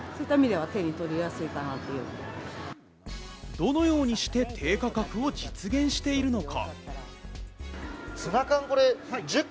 どのようにして低価格を実現しているのか？